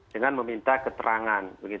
dengan meminta keterangan